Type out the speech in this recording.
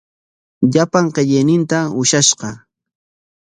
Llapan qillayninta ushashqa.